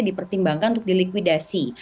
dipertimbangkan untuk dilikuidasi